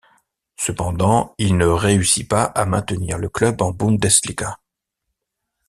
Cependant il ne réussit pas à maintenir le club en Bundesliga.